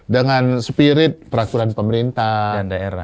dengan spirit peraturan pemerintah daerah